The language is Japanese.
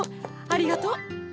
ありがとう。